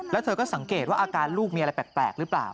แล้วเธอก็สังเกตว่าอาการลูกมีอะไรแปลกหรือเปล่า